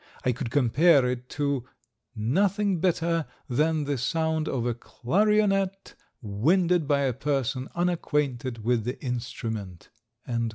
I could compare it to nothing better than the sound of a clarionet winded by a person unacquainted with the instrument."